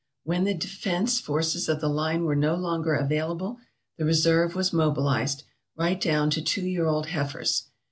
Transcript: When the defence forces of the line were no longer available, the reserve was mobilized; right down to two year old heifers.